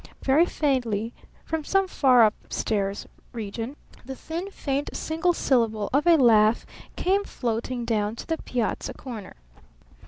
Very faintly from some far up stairs region the thin, faint, single syllable of a laugh came floating down into the piazza corner.